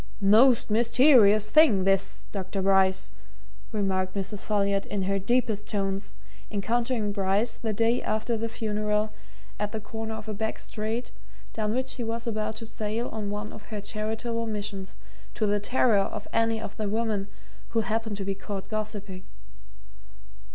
"Most mysterious thing, this, Dr. Bryce," remarked Mrs. Folliot in her deepest tones, encountering Bryce, the day after the funeral, at the corner of a back street down which she was about to sail on one of her charitable missions, to the terror of any of the women who happened to be caught gossiping.